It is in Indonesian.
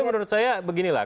tapi menurut saya beginilah